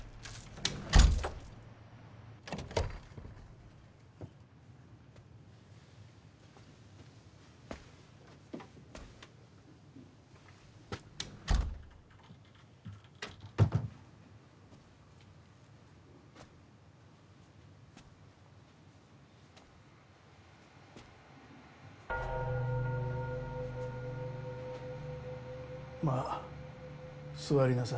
まあ座りなさい。